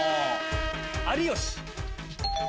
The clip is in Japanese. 有吉。